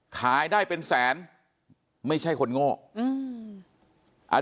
ขายได้เป็นแสนไม่ใช่คนโง่อืม